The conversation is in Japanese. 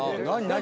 何？